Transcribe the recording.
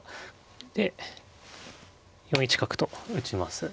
で４一角と打ちます。